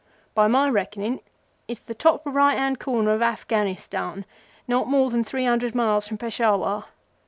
By my reckoning its the top right hand corner of Afghanistan, not more than three hundred miles from Peshawar.